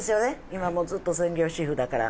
今もうずっと専業主婦だから。